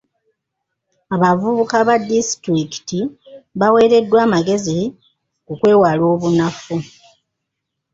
Abavubuka ba disitulikiti baweereddwa amagezi ku kwewala obunafu.